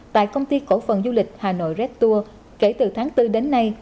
tại công ty cổ phần du lịch hà nội red tour kể từ tháng bốn đến nay